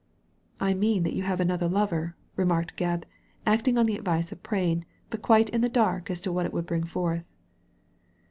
• I mean that you have another lover/' remarked Gebb, acting on the advice of Prain, but quite in the dark as to what it would bring forth.